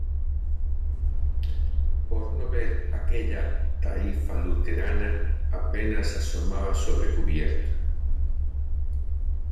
por no ver aquella taifa luterana, apenas asomaba sobre cubierta.